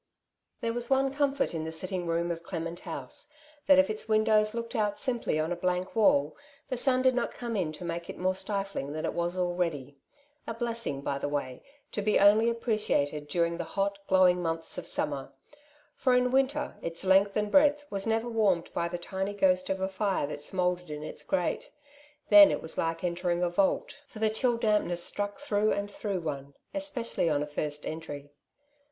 Theeb was one comfort in the sitting room of Clement House, that if its windows looked out simply on a blank wall^ the sun did not come in to make it more stifling than it was already — a blessing, by the way, to be only appreciated during the hot, glowing months of summer; for in winter its length and breadth was never warmed by the tiny ghost of a fire that smouldered in its grate ; then it was like entering a vault, for the chill dampness struck through and through one, especially on a first entry.